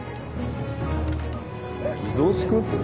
偽造スクープ！？